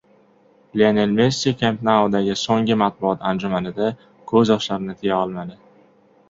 Lionel Messi «Kamp Nou»dagi so‘nggi matbuot anjumanida ko‘z yoshlarini tiya olmadi